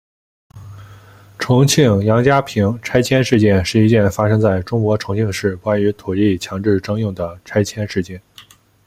重庆杨家坪拆迁事件是一件发生在中国重庆市关于土地强制征用的拆迁事件。